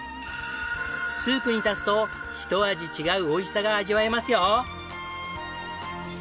スープに足すとひと味違う美味しさが味わえますよ。